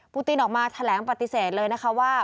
ตินออกมาแถลงปฏิเสธเลยนะคะว่า